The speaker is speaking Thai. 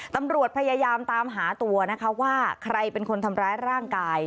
ตำรวจพยายามตามหาตัวนะคะว่าใครเป็นคนทำร้ายร่างกาย